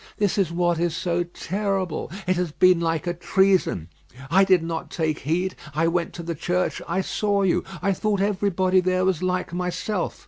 This is what is so terrible. It has been like a treason. I did not take heed. I went to the church, I saw you, I thought everybody there was like myself.